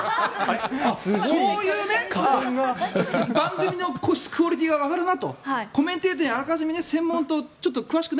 そういう、番組のクオリティーが上がるなと。